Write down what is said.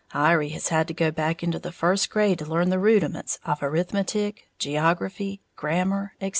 Iry has had to go back into the first grade to learn the rudiments of arithmetic, geography, grammar, etc.